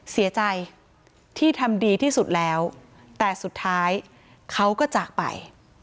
เสียใจที่ทำดีที่สุดแล้วแต่สุดท้ายเขาก็จากไป